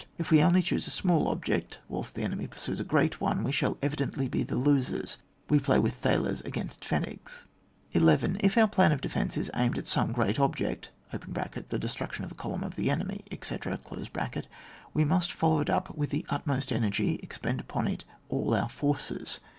If we only choose a small ob ject, whilst the enemy pursues a great one, we shall evidently be the losers. . We play with thalers against pfennings. 11. If our plan of defence is aimed at some great object (the destruction of a column of an enemy, etc.), we must follow it up with the utmost energy, expend upon it all our forces.